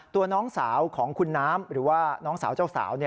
ตัวน้องสาวของคุณน้ำหรือว่าน้องสาวเจ้าสาว